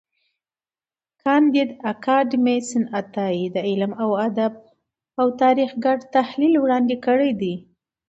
کانديد اکاډميسن عطایي د علم، ادب او تاریخ ګډ تحلیل وړاندي کړی دی.